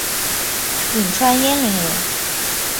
颍川鄢陵人。